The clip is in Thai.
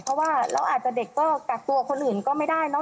เพราะว่าเราอาจจะเด็กก็กักตัวคนอื่นก็ไม่ได้เนอะ